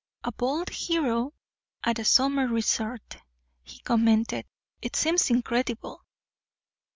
"A bald hero at a summer resort," he commented, "it seems incredible."